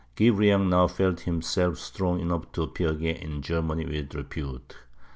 Guebriant now felt himself strong enough to appear again in Germany with repute.